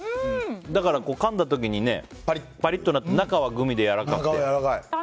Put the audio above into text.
だから、かんだ時にパリッとなって中はグミでやわらかくて。